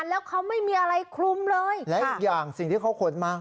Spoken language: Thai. แล้วเขาไม่มีอะไรคลุมเลยและอีกอย่างสิ่งที่เขาขนมา